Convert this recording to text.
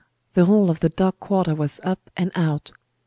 the whole of the dock quarter was up and out.